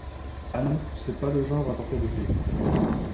Ah non, c’est pas le genre à porter le pet.